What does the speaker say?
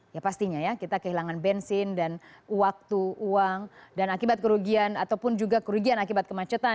ya pastinya ya kita kehilangan bensin dan waktu uang dan akibat kerugian ataupun juga kerugian akibat kemacetan